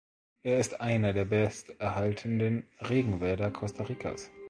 Er ist einer der besterhaltenen Regenwälder Costa Ricas.